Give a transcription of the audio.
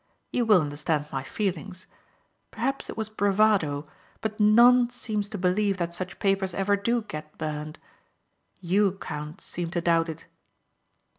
You will understand my feelings. Perhaps it was bravado but none seems to believe that such papers ever do get burned. You, count, seemed to doubt it."